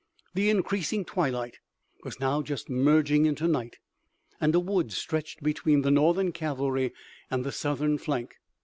The increasing twilight was now just merging into night, and a wood stretched between the Northern cavalry and the Southern flank.